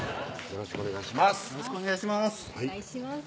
よろしくお願いします